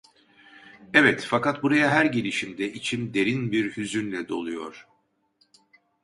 Evet, fakat buraya her gelişimde içim derin bir hüzünle doluyor!